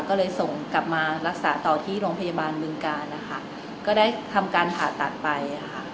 ก็เลยส่งกลับมารักษาต่อที่โรงพยาบาลบึงการนะคะก็ได้ทำการผ่าตัดไป